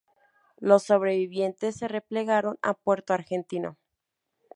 Los sobrevivientes se replegaron a Puerto Argentino.